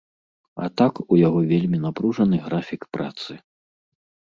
А так у яго вельмі напружаны графік працы.